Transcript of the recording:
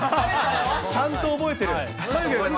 ちゃんと覚えてる。